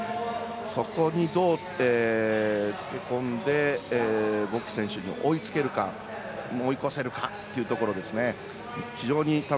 そこにどうつけ込んでボキ選手に追いつけるか追い越せるかというところですね。